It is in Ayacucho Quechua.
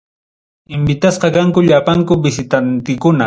Invitasqa kanku llapanku visitantikuna.